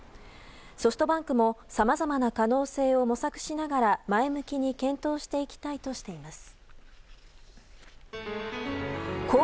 ソフトバンクもさまざまな可能性を模索しながら前向きに検討していきたいとしています。